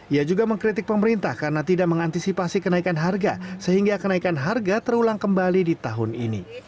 ia juga mengkritik pemerintah karena tidak mengantisipasi kenaikan harga sehingga kenaikan harga terulang kembali di tahun ini